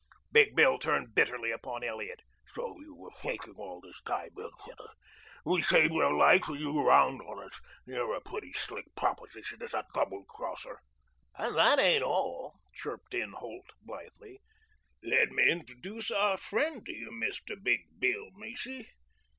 Big Bill turned bitterly upon Elliot. "So you were faking all the time, young fellow. We save your life and you round on us. You're a pretty slick proposition as a double crosser." "And that ain't all," chirped up Holt blithely. "Let me introduce our friend to you, Mr. Big Bill Macy.